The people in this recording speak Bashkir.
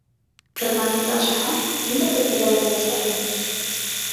— Тырнағыңды ашаһаң, һин дә терпегә әйләнәсәкһең.